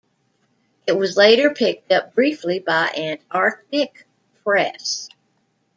It was later picked up briefly by Antarctic Press.